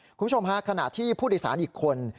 คุณผู้ชมฮะขณะที่ผู้โดยสารอีกคน